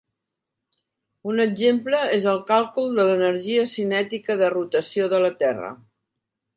Un exemple és el càlcul de l'energia cinètica de rotació de la Terra.